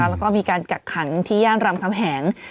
แล้วก็มีการกักขังที่ย่านรามคำแหง